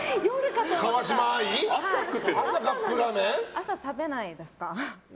朝食べないですか？